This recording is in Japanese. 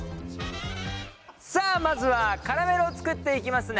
さあまずはキャラメルを作っていきますね。